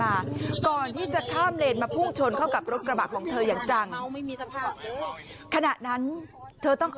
นั่งนั่งนั่งนั่งนั่งนั่งนั่งนั่งนั่งนั่งนั่งนั่งนั่งนั่งนั่ง